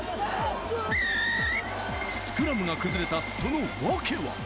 スクラムが崩れたそのワケは？